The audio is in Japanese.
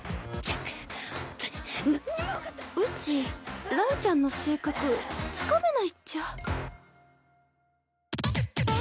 うちランちゃんの性格つかめないっちゃ。